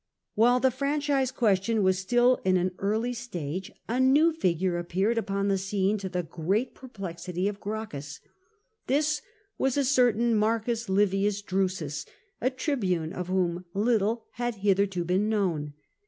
While the franchise question was still in an early stage, a new figure appeared upon the scene, to the great per plexity of Gracchus. This was a certain Marcus Livius Drusus, a tribune of whom little had hitherto been known.